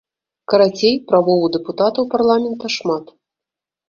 Карацей, правоў у дэпутатаў парламента шмат.